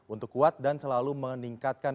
untuk kuat dan selalu meningkatkan